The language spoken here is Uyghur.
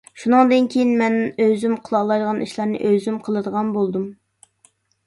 شۇنىڭدىن كېيىن مەن ئۆزۈم قىلالايدىغان ئىشلارنى ئۆزۈم قىلىدىغان بولدۇم.